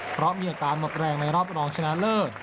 เพราะมีอาการหมดแรงในรอบรองชนะเลิศ